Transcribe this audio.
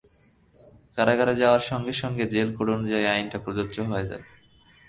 কারাগারে যাওয়ার সঙ্গে সঙ্গে জেল কোড অনুযায়ী আইনটা প্রযোজ্য হয়ে যায়।